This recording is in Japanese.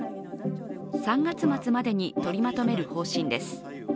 ３月末までに取りまとめる方針です